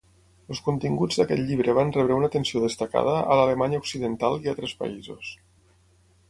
Els continguts d'aquest llibre van rebre una atenció destacada a l'Alemanya Occidental i altres països.